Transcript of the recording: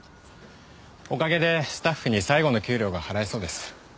おかげでスタッフに最後の給料が払えそうです。